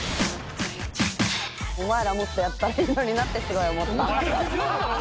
お前らもっとやったらいいのになってすごい思った。